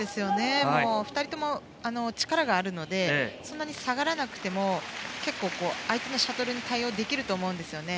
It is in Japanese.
２人とも力があるのでそんなに下がらなくても結構、相手のシャトルに対応できると思うんですね。